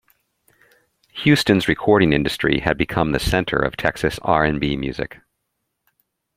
Houston's recording industry had become the center of Texas R and B music.